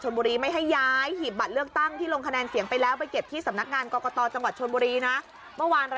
นี่แหละครับ